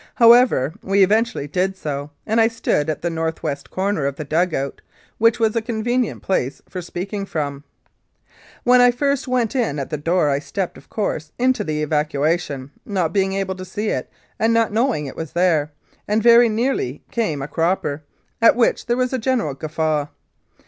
How ever, we eventually did so, and I stood at the north west corner of the " dug out," which was a convenient place for speaking from. When I first went in at the door I stepped, of course, into the excavation, not being able to see it and not knowing it was there, and very nearly came a cropper, at which there was a general guffaw.